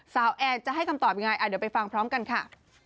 แอนจะให้คำตอบยังไงเดี๋ยวไปฟังพร้อมกันค่ะ